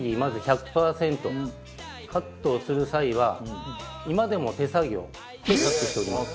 カットをする際は今でも手作業でカットしております。